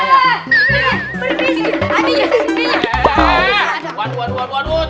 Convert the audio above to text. aduh aduh aduh aduh